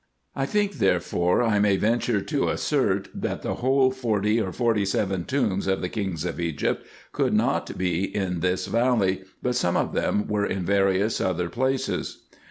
I think therefore I may venture to assert, that the whole forty or forty seven tombs of the kings of Egypt could not be in this valley, but some of them were in various other places.